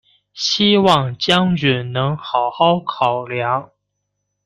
希望将军能好好考量！